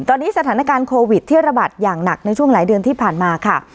ตอนนี้สถานการณ์โควิดที่ระบาดอย่างหนักในช่วงหลายเดือนที่ผ่านมาค่ะ